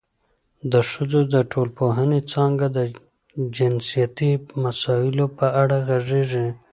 د ښځو د ټولنپوهنې څانګه د جنسیتي مسایلو په اړه غږېږي.